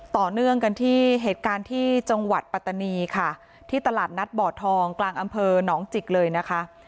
ต่อเนื่องกันที่เหตุการณ์ที่จังหวัดปัตตานีค่ะที่ตลาดนัดบ่อทองกลางอำเภอหนองจิกเลยนะคะ